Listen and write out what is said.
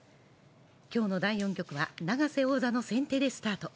今日の第４局は永瀬王座の先手でスタート。